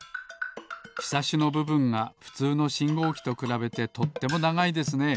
ひさしのぶぶんがふつうのしんごうきとくらべてとってもながいですね。